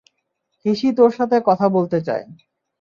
হিশি তোর সাথে কথা বলতে চায়।